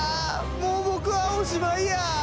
もう僕はおしまいや。